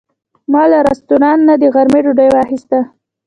ما له رستورانت نه د غرمې ډوډۍ واخیسته.